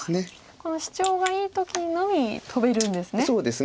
このシチョウがいい時のみトベるんですね。